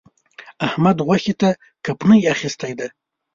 احمد؛ غوښو ته کپڼۍ اخيستی دی.